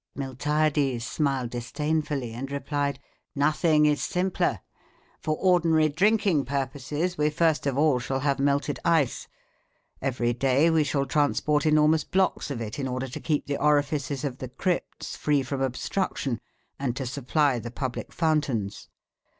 Miltiades smiled disdainfully and replied: "Nothing is simpler. For ordinary drinking purposes we first of all shall have melted ice. Every day we shall transport enormous blocks of it in order to keep the orifices of the crypts free from obstruction, and to supply the public fountains.